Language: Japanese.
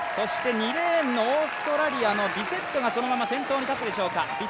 ２レーンのオーストラリアのビセットがそのまま先頭に立つでしょうか。